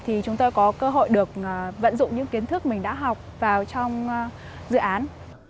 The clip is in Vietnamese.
thì chúng tôi có cơ hội được vận dụng những kiến thức mình đã học vào trong dự án